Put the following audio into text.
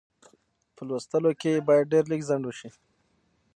په لوستلو کې یې باید ډېر لږ ځنډ وشي.